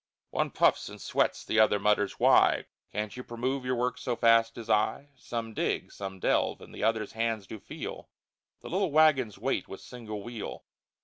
One puffs and sweats, the other mutters why Can't you promove your work so fast as I? Some dig, some delve, and others' hands do feel The little waggon's weight with single wheel.